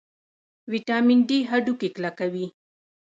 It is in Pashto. ویټامین ډي هډوکي کلکوي